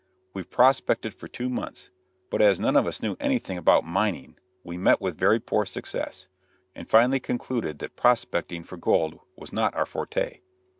We prospected for two months, but as none of us knew anything about mining we met with very poor success, and we finally concluded that prospecting for gold was not our forte.